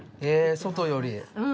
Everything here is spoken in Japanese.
え外より。